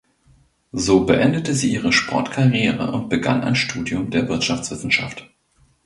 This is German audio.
So beendete sie ihre Sportkarriere und begann ein Studium der Wirtschaftswissenschaft.